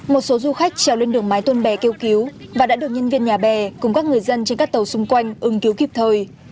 một số du khách trèo lên đường mái tôn bè kêu cứu và đã được nhân viên nhà bè cùng các người dân trên các tàu xung quanh ứng cứu kịp thời